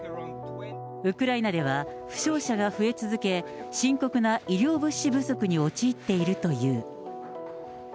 ウクライナでは、負傷者が増え続け、深刻な医療物資不足に陥っているという。